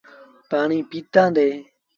پآڻيٚ پيٚتآندي